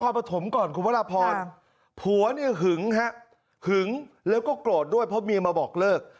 ปฐมก่อนคุณพระราพรผัวเนี่ยหึงฮะหึงแล้วก็โกรธด้วยเพราะเมียมาบอกเลิก